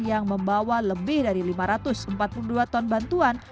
yang membawa lebih dari lima ratus empat puluh dua ton bantuan